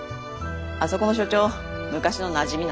あそこの所長昔のなじみなの。